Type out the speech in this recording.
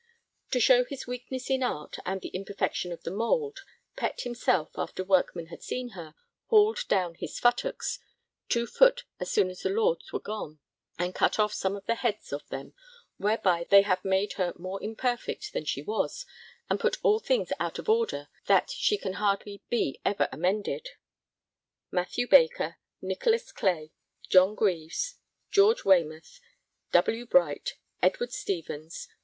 To shew his weakness in art and the imperfection of the mould, Pett himself, after workmen had seen her, hauled down his futtocks 2 foot as soon as the lords were gone, and cut off some of the heads of them, whereby they have made her more imperfect than she was and put all things out of order that she can hardly be ever amended. MATHEW BAKER. W. BRIGHT. NYCHOLAS CLAY. EDWARD STEVENES. JOHN GREAVES. RICHARD MERYETT.